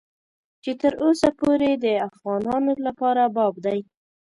چې تر اوسه پورې د افغانانو لپاره باب دی.